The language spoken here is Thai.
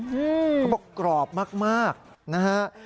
เขาบอกกรอบมากนะฮะ